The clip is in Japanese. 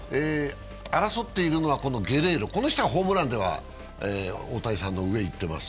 争っているのはゲレーロ、この人がホームランでは大谷さんの上を行っています。